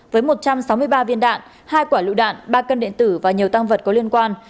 với một trăm sáu mươi ba viên đạn hai quả lựu đạn ba cân điện tử và nhiều tăng vật có liên quan